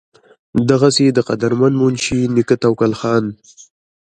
دغسې د قدرمند منشي نيکۀ توکل خان